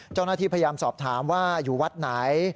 เจ้าหน้าที่พยายามสอบถามว่าอยู่วัดไหน